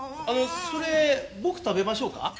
あのそれ僕食べましょうか？